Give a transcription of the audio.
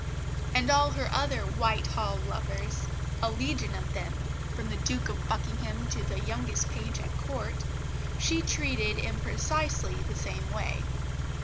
And all her other Whitehall lovers a legion of them, from the Duke of Buckingham to the youngest page at Court, she treated in precisely the same way.